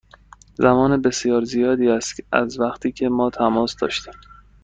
زمان بسیار زیادی است از وقتی که ما تماس داشتیم.